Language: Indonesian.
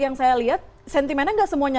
yang saya lihat sentimennya gak semuanya